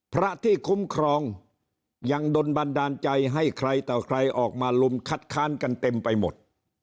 พระที่คุ้มครองยังโดนบันดาลใจให้ใครต่อใครออกมาลุมคัดค้านกันเต็มไปหมด